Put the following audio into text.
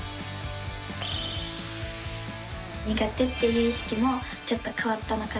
苦手っていう意識もちょっと変わったのかなと。